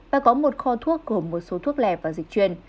và có một kho thuốc gồm một số thuốc lè và dịch chuyên